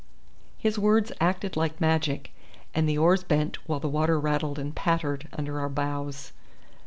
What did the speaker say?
His words acted like magic, and the oars bent, while the water rattled and pattered under our bows.